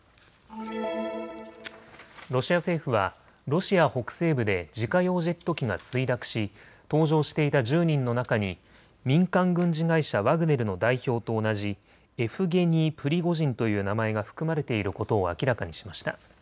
ロシア政府はロシア北西部で自家用ジェット機が墜落し搭乗していた１０人の中に民間軍事会社、ワグネルの代表と同じエフゲニー・プリゴジンという名前が含まれていることを明らかにしました。